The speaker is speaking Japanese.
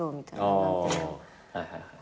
はいはいはい。